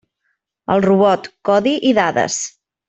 El robot: codi i dades.